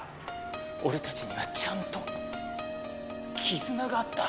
俺たちにはちゃんと絆があった。